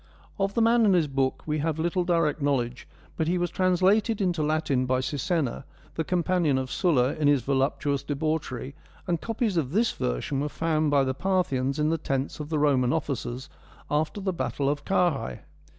Of the man and his book we have little direct knowledge, but he was translated into Latin by Sisenna, the companion of Sulla in his voluptuous debauchery, and copies'of this version were found by the Parthians in the tents of the Roman officers after the battle of Carrhae.